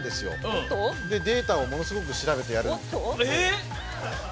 データをものすごく調べてやる。